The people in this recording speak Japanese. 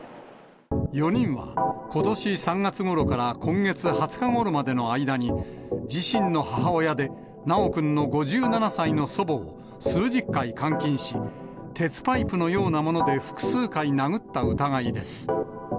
４人はことし３月ごろから今月２０日ごろまでの間に、自身の母親で、修くんの５７歳の祖母を、数十回監禁し、鉄パイプのようなもので複数回殴った疑いです。